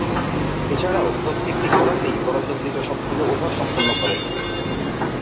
এছাড়াও, প্রত্যেকটি খেলাতেই বরাদ্দকৃত সবগুলো ওভার সম্পন্ন করেন।